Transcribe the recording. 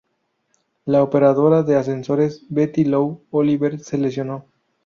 La operadora de ascensores Betty Lou Oliver se lesionó.